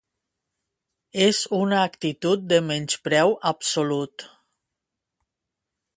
És una actitud de menyspreu absolut.